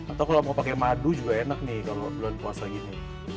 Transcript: atau kalau mau pakai madu juga enak nih kalau bulan puasa gini